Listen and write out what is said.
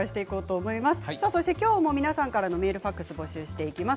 きょうも皆さんからのメール、ファックスを募集します。